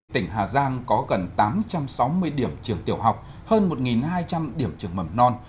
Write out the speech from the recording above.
tỉnh hà giang có gần tám trăm sáu mươi điểm trường tiểu học hơn một hai trăm linh điểm trường mầm non